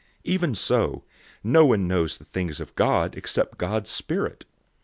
Even so, no one knows the things of God, except God's Spirit.